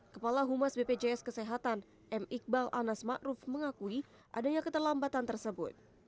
kepala humas bpjs kesehatan m iqbal anas ma'ruf mengakui adanya keterlambatan tersebut